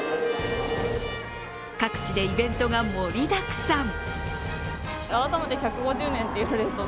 各地でイベントが盛りだくさん。